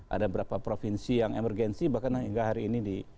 ada beberapa provinsi yang emergensi bahkan hingga hari ini